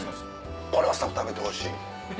これはスタッフ食べてほしい。